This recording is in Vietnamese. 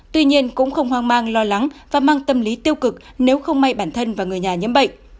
tuy nhiên cũng không hoang mang lo lắng và mang tâm lý tiêu cực nếu không may bản thân và người nhà nhiễm bệnh